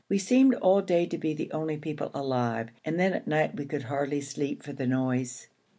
We seemed all day to be the only people alive, and then at night we could hardly sleep for the noise.